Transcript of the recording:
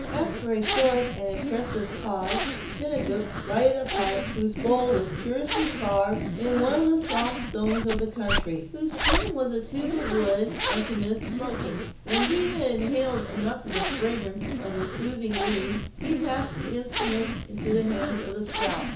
After a short and impressive pause, Chingachgook lighted a pipe whose bowl was curiously carved in one of the soft stones of the country, and whose stem was a tube of wood, and commenced smoking. When he had inhaled enough of the fragrance of the soothing weed, he passed the instrument into the hands of the scout.